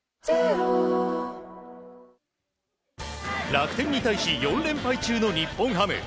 楽天に対し４連敗中の日本ハム。